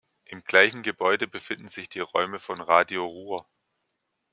Im gleichen Gebäude befinden sich die Räume von Radio Rur